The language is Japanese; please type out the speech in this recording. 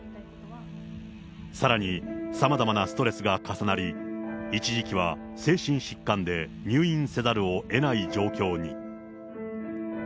さらにさまざまなストレスが重なり、一時期は精神疾患で入院せざるをえない状況に。